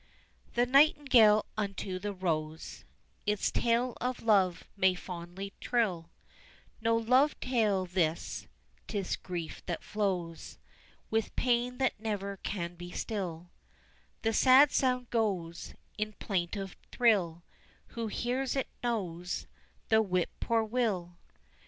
The Nightingale unto the rose Its tale of love may fondly trill; No love tale this 'tis grief that flows With pain that never can be still, The sad sound goes In plaintive thrill; Who hears it knows The Whip poor will.